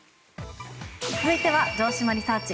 続いては城島リサーチ！